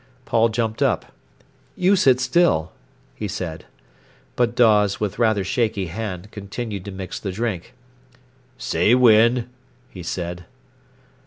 Paul jumped up. "You sit still," he said. But Dawes, with rather shaky hand, continued to mix the drink. "Say when," he said.